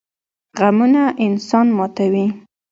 غمونه انسان ماتوي